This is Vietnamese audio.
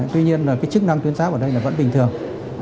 tuy nhiên là cái chức năng tuyến giáp ở đây là vẫn bình thường